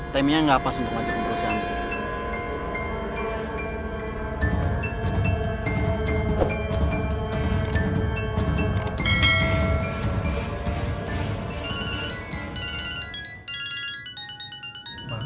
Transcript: timenya gak pas untuk ngajak ke perusahaan